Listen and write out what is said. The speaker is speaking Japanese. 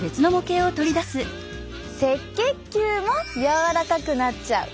赤血球も柔らかくなっちゃう。